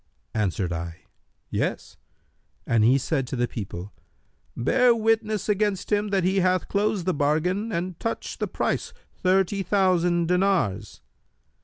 Answered I, 'Yes,' and he said to the people, 'Bear witness against him that he hath closed the bargain and touched the price, thirty thousand dinars.'